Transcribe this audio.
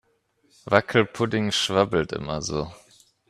Wackelpudding schwabbelt immer so.